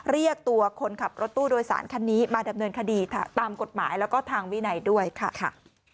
เรียกตัวคนขับรถตู้โดยสารคันนี้มาดำเนินคดีตามกฎหมายแล้วก็ทางวินัยด้วยค่ะ